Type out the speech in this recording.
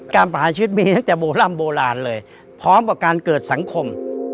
ประหารชีวิตมีตั้งแต่โบร่ำโบราณเลยพร้อมกับการเกิดสังคม